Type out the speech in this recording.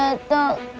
tadi aku jatuh